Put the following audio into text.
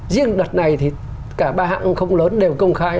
riêng đợt này thì cả ba hãng không lớn đều công khai